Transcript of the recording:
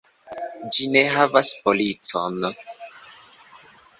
Ĝi ne havas policon.